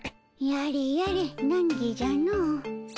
やれやれなんぎじゃの。